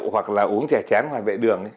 hoặc là uống chè chén ngoài vệ đường